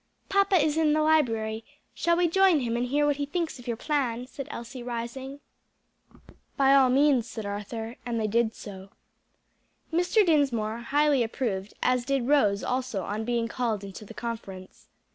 "Papa is in the library; shall we join him and hear what he thinks of your plan?" said Elsie, rising. "By all means," returned Arthur, and they did so. Mr. Dinsmore highly approved, as did Rose also on being called in to the conference.